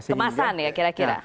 kemasan ya kira kira